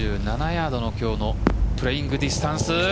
２４７ヤードの今日のプレーイングディスタンス。